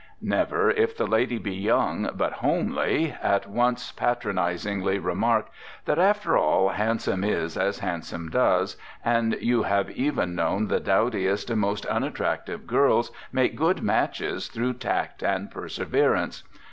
Never, if the lady be young but homely, at once patronizingly remark that, after all, handsome is as handsome does, and you have even known the dowdiest and most unattractive girls make good matches through tact and perseverance.